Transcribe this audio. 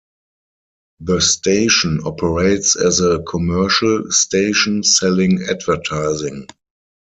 The station operates as a commercial station, selling advertising.